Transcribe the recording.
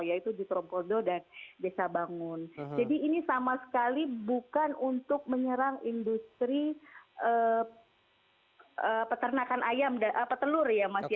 jadi ini sama sekali bukan untuk menyerang industri peternakan ayam petelur ya mas